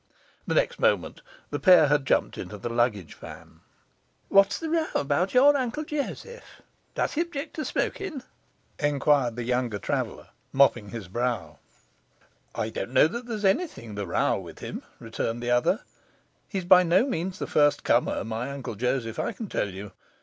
The next moment the pair had jumped into the baggage van. 'What's the row about your Uncle Joseph?' enquired the younger traveller, mopping his brow. 'Does he object to smoking?' 'I don't know that there's anything the row with him,' returned the other. 'He's by no means the first comer, my Uncle Joseph, I can tell you!